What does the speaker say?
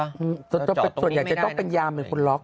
แต่ว่าจอตรงนี้ไม่ได้ส่วนใหญ่คือก้าวเป็นยามเป็นคนล็อก